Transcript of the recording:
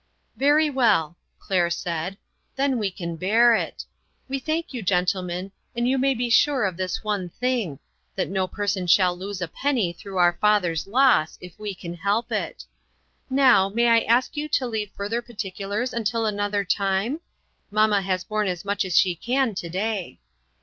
"Very well," Claire said, "then we can bear it. We thank you, gentlemen, and you may be sure of this one thing that no per son shall lose a penny through our father's loss, if we can help it. Now, may I ask you to leave further particulars until another time ? Mamma has borne as much as she can to day."